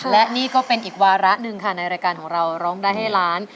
และนี่ก็เป็นอีกวาระหนึ่งค่ะในรายการของเราร้องได้ให้ล้าน